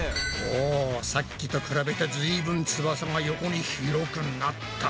おさっきと比べてずいぶん翼が横に広くなったぞ。